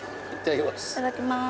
いただきます